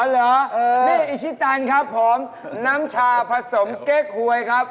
เหรอนี่อิชิตันครับผมน้ำชาผสมเก๊กหวยครับ